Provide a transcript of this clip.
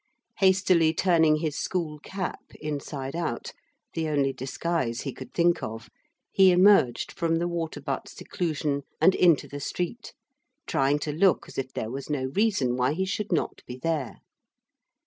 Hastily turning his school cap inside out the only disguise he could think of, he emerged from the water butt seclusion and into the street, trying to look as if there was no reason why he should not be there.